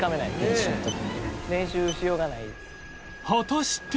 果たして？